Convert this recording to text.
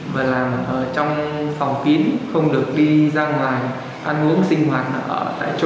và làm trong phòng kín không được đi ra ngoài ăn uống sinh hoạt ở tại chỗ